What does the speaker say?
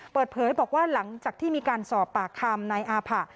เปิดเผยบอกว่าหลังจากที่มีการสอบปากคำนายอาผะ